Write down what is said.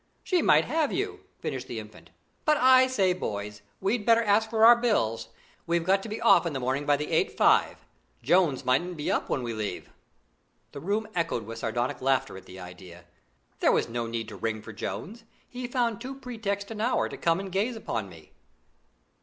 "She might have you," finished the Infant. "But I say, boys, we'd better ask for our bills; we've got to be off in the morning by the 8.5. Jones mightn't be up when we leave." The room echoed with sardonic laughter at the idea. There was no need to ring for Jones; he found two pretexts an hour to come and gaze upon me.